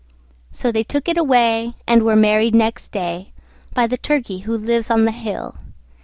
So they took it away, and were married next day By the Turkey who lives on the hill.